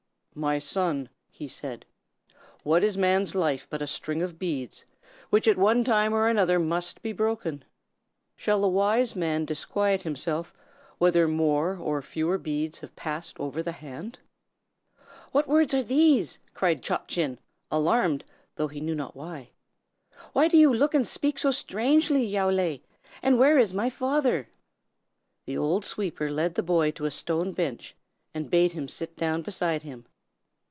"My son," he said, "what is man's life but a string of beads, which at one time or another must be broken? Shall the wise man disquiet himself whether more or fewer beads have passed over the hand?" "What words are these?" cried Chop Chin, alarmed, though he knew not why. "Why do you look and speak so strangely, Yow Lay; and where is my father?" The old sweeper led the boy to a stone bench, and bade him sit down beside him.